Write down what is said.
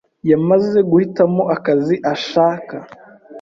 yamaze guhitamo akazi ashaka.